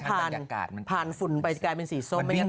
ใช่เพราะมันผ่านฝุ่นไปกลายเป็นสีส้ม